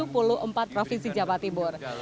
empat puluh empat provinsi jawa timur